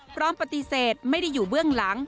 พร้อมปฏิเสธไม่ได้อยู่เบื้องหลัง